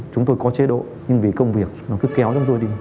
chúng tôi có chế độ nhưng vì công việc nó cứ kéo chúng tôi đi